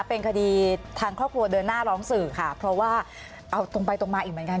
เป็นคดีทางครอบครัวเดินหน้าร้องสื่อค่ะเพราะว่าเอาตรงไปตรงมาอีกเหมือนกัน